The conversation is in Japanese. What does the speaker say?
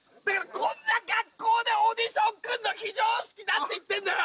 こんな格好でオーディション来んの非常識だって言ってんだよ！